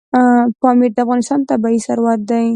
پامیر د افغانستان طبعي ثروت دی.